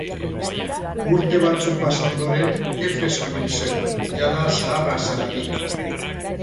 Urte batzuk pasa ondoren Efeson hil zen, jada zaharra zelarik.